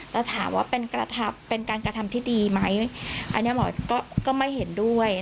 แต่ถามว่าเป็นการกระทำที่ดีไหมอันนี้หมอก็ไม่เห็นด้วย